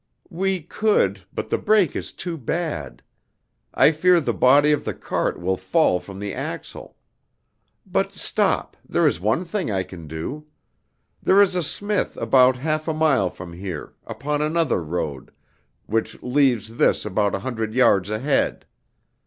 "We could, but the break is too bad. I fear the body of the cart will fall from the axle. But stop; there is one thing I can do. There is a smith about half a mile from here, upon another road, which leaves this about a hundred yards ahead.